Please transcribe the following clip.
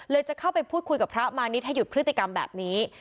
จะเข้าไปพูดคุยกับพระมาณิชให้หยุดพฤติกรรมแบบนี้